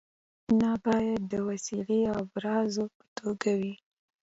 نه باید د وسیلې او ابزار په توګه وي.